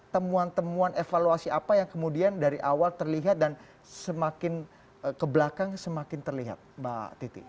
temuan temuan evaluasi apa yang kemudian dari awal terlihat dan semakin ke belakang semakin terlihat mbak titi